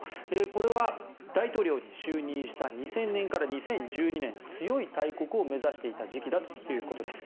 これは大統領に就任した２０００年から２０１２年強い大国を目指していた時期だということです。